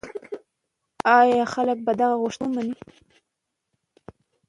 ایا خلک به د هغه غوښتنې ومني؟